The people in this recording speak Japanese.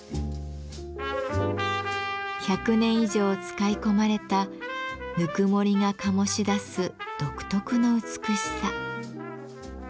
１００年以上使い込まれたぬくもりが醸し出す独特の美しさ。